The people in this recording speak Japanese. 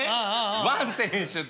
ワン選手と。